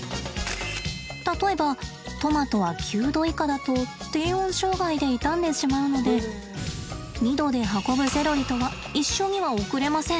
例えばトマトは９℃以下だと低温障害で傷んでしまうので２℃で運ぶセロリとは一緒には送れません。